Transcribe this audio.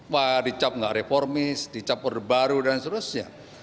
wah dicap gak reformis dicap berbaru dan seterusnya